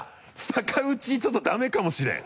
逆打ちちょっとダメかもしれん。